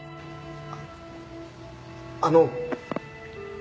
あっあの。